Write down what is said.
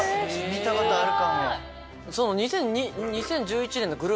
見たことあるかも。